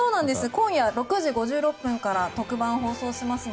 今夜６時５６分から特番を放送します。